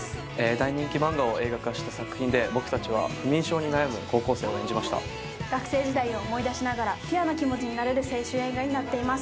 大人気漫画を映画化した作品で僕たちは不眠症に悩む高校生を演じました学生時代を思い出しながらピュアな気持ちになれる青春映画になっています